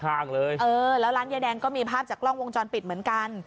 เลยเออแล้วร้านยายแดงก็มีภาพจากกล้องวงจรปิดเหมือนกัน